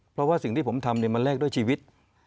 เพราะว่าสิ่งที่ผมทำมันแลกด้วยชีวิต